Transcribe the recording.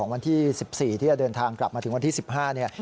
วันที่๑๔ที่จะเดินทางกลับมาถึงวันที่๑๕เนี่ย